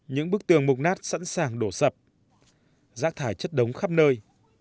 những bức tường mục nát sẵn sàng đổ sập rác thải chất đống khắp nơi